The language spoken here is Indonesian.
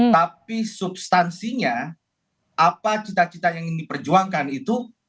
tapi substansinya apa cita cita yang ingin diperjuangkan itu